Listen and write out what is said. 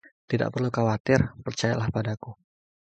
Tidak perlu khawatir, percayalah padaku.